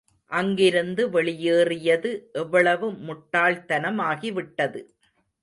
அங்கிருந்து வெளியேறியது எவ்வளவு முட்டாள் தனமாகிவிட்டது.